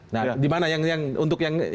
nah di mana yang untuk yang